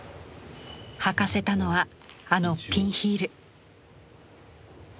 履かせたのはあのピンヒール。